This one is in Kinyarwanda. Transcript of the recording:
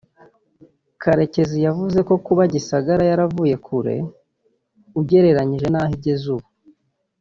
Karekezi yavuze ko kuba Gisagara yaravuye kure ugereranyije n’aho igeze ubu